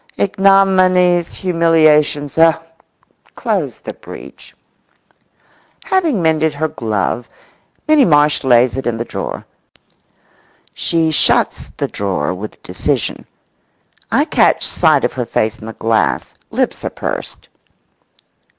Ignominies, humiliations, oh! Close the breach. Having mended her glove, Minnie Marsh lays it in the drawer. She shuts the drawer with decision. I catch sight of her face in the glass. Lips are pursed.